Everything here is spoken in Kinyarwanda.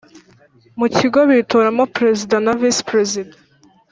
mu Kigo bitoramo Perezida na Visi Perezida